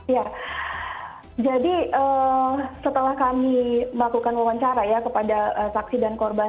ya jadi setelah kami melakukan wawancara ya kepada saksi dan korban